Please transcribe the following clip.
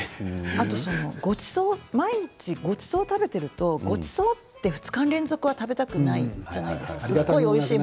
あと毎日ごちそうを食べていると２日連続で、ごちそうって食べたくないじゃないですか。